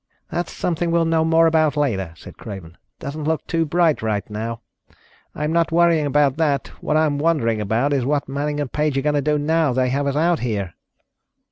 "That's something we'll know more about later," said Craven. "Doesn't look too bright right now. I'm not worrying about that. What I'm wondering about is what Manning and Page are going to do now that they have us out here."